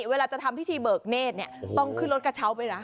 เวลาจะทำพิธีเบิกเนธต้องขึ้นรถกระเช้าไปนะ